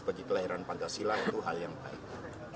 bagi kelahiran pancasila itu hal yang baik